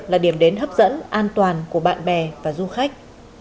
là điểm đến hấp dẫn an toàn của bạn bè và du khách